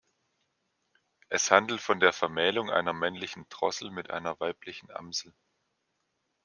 Es handelt von der Vermählung einer männlichen Drossel mit einer weiblichen Amsel.